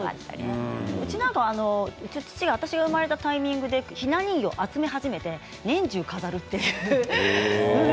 うちは、私が生まれたタイミングで父がひな人形を集め始めて年中飾るという。